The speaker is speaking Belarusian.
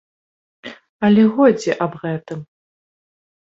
Але годзе аб гэтым!